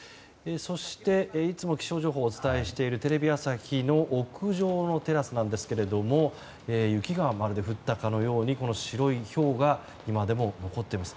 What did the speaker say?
そして、いつも気象情報をお伝えしているテレビ朝日の屋上のテラスなんですけれどもまるで雪が降ったかのように白いひょうが今でも残っています。